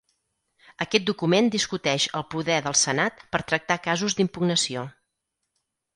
Aquest document discuteix el poder del Senat per tractar casos d'impugnació.